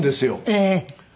ええ。